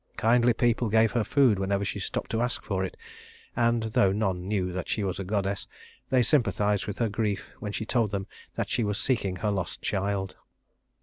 Kindly people gave her food whenever she stopped to ask for it, and though none knew that she was a goddess, they sympathized with her grief when she told them that she was seeking her lost child.